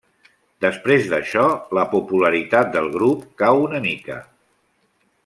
Després d'això, la popularitat del grup cau una mica.